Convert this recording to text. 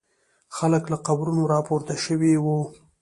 خلک له قبرونو را پورته شوي وي.